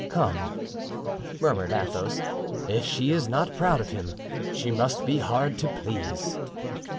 "Come," murmured Athos, "if she is not proud of him, she must be hard to please."